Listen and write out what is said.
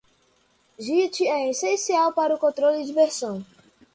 Git é essencial para controle de versão.